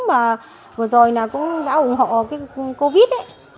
và vừa rồi cũng đã ủng hộ covid